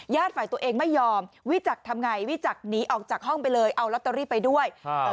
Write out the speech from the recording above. ฝ่ายตัวเองไม่ยอมวิจักรทำไงวิจักรหนีออกจากห้องไปเลยเอาลอตเตอรี่ไปด้วยอ่า